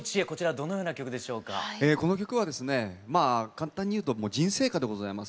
この曲はですねまあ簡単に言うと人生歌でございます。